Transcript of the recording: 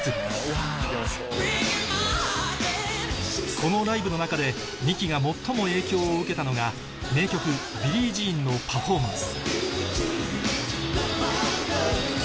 このライブの中で ＮＩ−ＫＩ が最も影響を受けたのが名曲『ＢｉｌｌｉｅＪｅａｎ』のパフォーマンス